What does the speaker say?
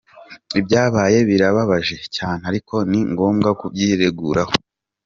Ibyabaye birababaje cyane ariko ni ngombwa kubyireguraho.